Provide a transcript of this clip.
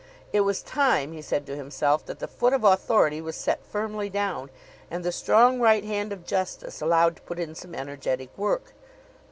It was time, he said to himself, that the foot of Authority was set firmly down, and the strong right hand of Justice allowed to put in some energetic work.